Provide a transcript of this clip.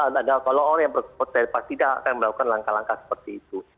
nah kalau orang yang berkot pasti tidak akan melakukan langkah langkah seperti itu